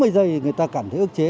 bốn mươi giây người ta cảm thấy ước chế